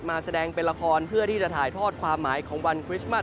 มาแสดงเป็นละครเพื่อที่จะถ่ายทอดความหมายของวันคริสต์มัส